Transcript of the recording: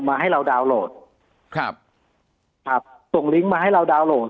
ให้เราดาวน์โหลดครับครับส่งลิงก์มาให้เราดาวนโหลด